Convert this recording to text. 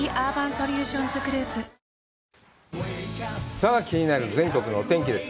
さあ気になる全国のお天気です。